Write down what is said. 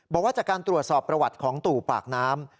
บอกว่าจากการตรวจสอบประวัติของตู่ปากน้ำ